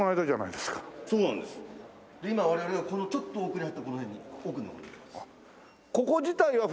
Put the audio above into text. で今我々はこのちょっと奥に入ったこの辺に奥の方にいます。